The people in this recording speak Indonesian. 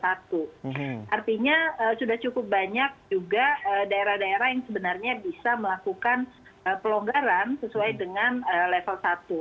artinya sudah cukup banyak juga daerah daerah yang sebenarnya bisa melakukan pelonggaran sesuai dengan level satu